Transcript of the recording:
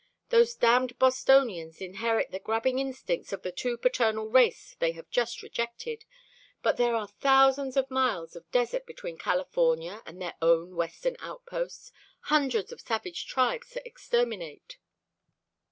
Those damned Bostonians inherit the grabbing instincts of the too paternal race they have just rejected, but there are thousands of miles of desert between California and their own western outposts, hundreds of savage tribes to exterminate.